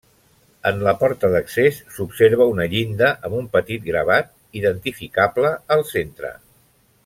En la porta d'accés s'observa una llinda amb un petit gravat identificable al centre.